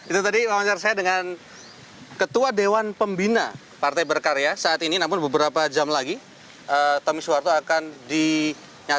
itu tadi wawancara saya dengan ketua dewan pembina partai berkarya saat ini namun beberapa jam lagi tommy soeharto akan dinyatakan